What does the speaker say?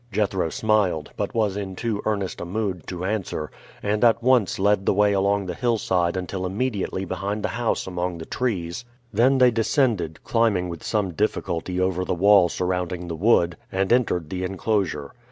Jethro smiled, but was in too earnest a mood to answer, and at once led the way along the hillside until immediately behind the house among the trees; then they descended, climbing with some difficulty over the wall surrounding the wood, and entered the inclosure.